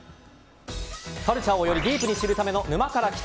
カルチャーをよりディープに知るための「沼から来た。」。